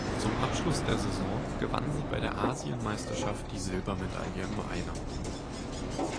Zum Abschluss der Saison gewann sie bei der Asienmeisterschaft die Silbermedaille im Einer.